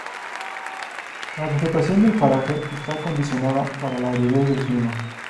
La vegetación del paraje está condicionada por la aridez del clima.